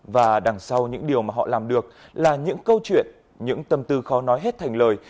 và đằng sau những điều mà họ làm được là những câu chuyện những tâm tư khó nói hết thành lời